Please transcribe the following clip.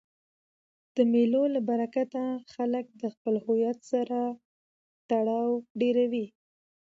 د مېلو له برکته خلک د خپل هویت سره تړاو ډېروي.